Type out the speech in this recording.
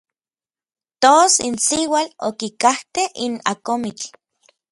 Tos n siuatl okikajtej n akomitl.